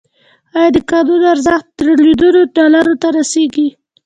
آیا د کانونو ارزښت تریلیونونو ډالرو ته رسیږي؟